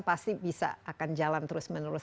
pasti bisa akan jalan terus menerus